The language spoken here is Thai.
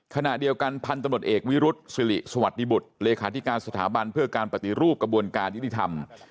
ขณะเดียวกันพันธุ์ตำรวจเอกวิรุษศิริสวัสดิบุตรเลขาธิการสถาบันเพื่อการปฏิรูปกระบวนการยุติธรรม